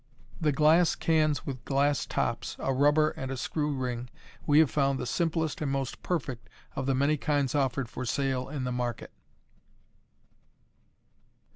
The glass cans with glass tops, a rubber and a screw ring, we have found the simplest and most perfect of the many kinds offered for sale in the market.